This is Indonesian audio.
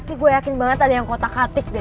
ini gue yakin banget ada yang ngotak katik deh